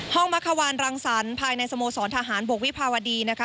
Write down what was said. มักขวานรังสรรค์ภายในสโมสรทหารบกวิภาวดีนะคะ